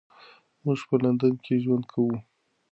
موږ به په لندن کې ژوند کوو.